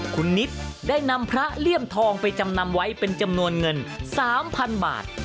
คุณนิดได้นำพระเลี่ยมทองไปจำนำไว้เป็นจำนวนเงิน๓๐๐๐บาท